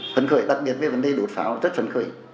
phấn khởi đặc biệt về vấn đề đốt pháo rất phấn khởi